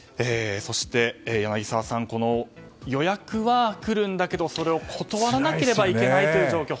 柳澤さん、予約はくるんだけどもそれを断らなければいけない状況。